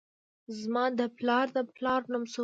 زما د پلار د پلار نوم څه و؟